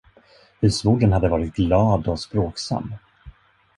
Husmodern hade varit glad och språksam.